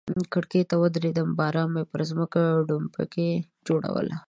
کړکۍ ته ودریدم، باران پر مځکه ډومبکي جوړول.